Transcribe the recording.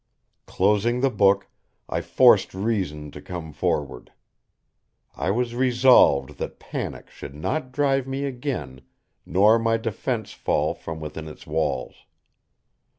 _" Closing the book, I forced reason to come forward. I was resolved that panic should not drive me again nor my defense fall from within its walls.